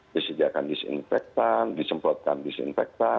disediakan disinfektan disemprotkan disinfektan